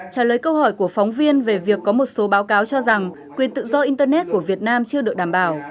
trả lời câu hỏi của phóng viên về việc có một số báo cáo cho rằng quyền tự do internet của việt nam chưa được đảm bảo